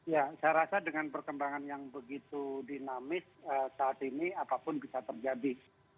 ya saya rasa dengan perkembangan yang begitu dinamis saat ini apapun bisa terjadi